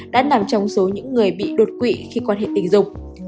đã nằm trong số những người bị đột quỵ khi quan hệ tình dục